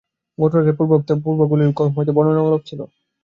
গতরাত্রের বক্তৃতা পূর্বেকারগুলি হইতে কম বর্ণনামূলক ছিল।